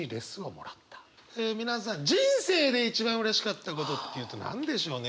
え皆さん人生で一番うれしかったことっていうと何でしょうね？